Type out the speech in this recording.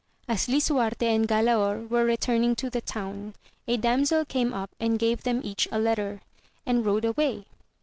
As Lisuarte and Galaor were returning to the town, a damsel came up and gave them each a letter, and rode away.